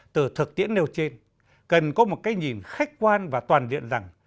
từ thực tiễn nêu trên cần có một cái nhìn khách quan và toàn diện rằng